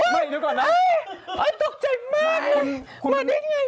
ไม่ดูก่อนนะตกใจมากเลยมาได้อย่างไร